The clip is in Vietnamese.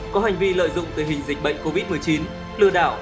có hành vi lợi dụng tình hình dịch bệnh covid một mươi chín lừa đảo